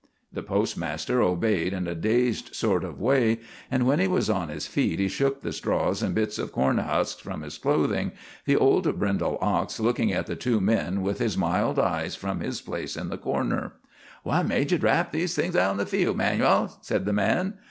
The postmaster obeyed in a dazed sort of way, and when he was on his feet he shook the straws and bits of corn husks from his clothing, the old brindle ox looking at the two men with his mild eyes from his place in the corner. "What made ye drap these things out in the field, 'Manuel?" said the man.